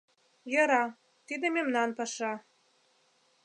Йӧра, тиде мемнан паша.